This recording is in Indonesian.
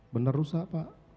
benar rusak pak